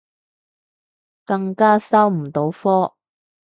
更加收唔到科